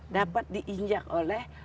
dapat diinjak oleh